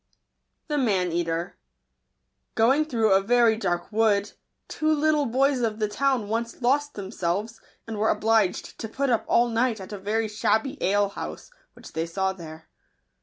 Digitized by Google iPKan iattr* [OING through a very dark wood, two little boys of the town once lost them selves, and were obliged to put up all night at a very shabby alehouse, which they saw there.